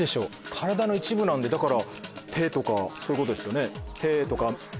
体の一部なんでだから「手」とかそういうことですよね。